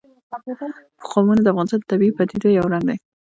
قومونه د افغانستان د طبیعي پدیدو یو رنګ دی.